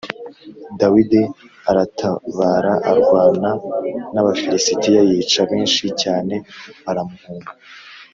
Dawidi aratabara arwana n’Abafilisitiya yica benshi cyane, baramuhunga.